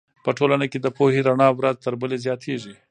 په ټولنه کې د پوهې رڼا ورځ تر بلې زیاتېږي.